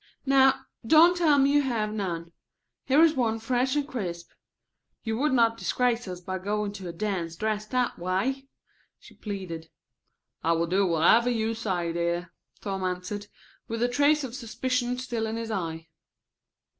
"Now don't tell me you have none. Here is one fresh and crisp. You would not disgrace us by going to a dance dressed that way?" she pleaded. "I will do whatever you say, dear," Tom answered, with a trace of suspicion still in his eye.